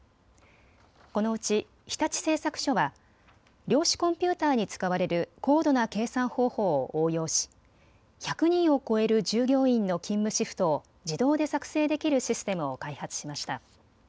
このうち日立製作所は量子コンピューターに使われる高度な計算方法を応用し１００人を超える従業員の勤務シフトを自動で作成できるシステムを開発しました。